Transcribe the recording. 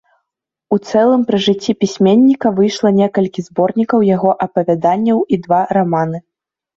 У цэлым пры жыцці пісьменніка выйшла некалькі зборнікаў яго апавяданняў і два раманы.